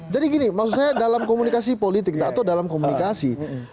jadi gini maksud saya dalam komunikasi politik atau dalam komunikasi